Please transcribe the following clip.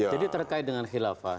jadi terkait dengan khilafah